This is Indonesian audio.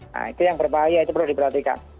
nah itu yang berbahaya itu perlu diperhatikan